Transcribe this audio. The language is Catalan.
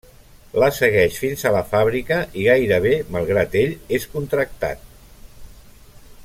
La segueix fins a la fàbrica i, gairebé malgrat ell, és contractat.